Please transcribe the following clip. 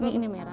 biarin ini merah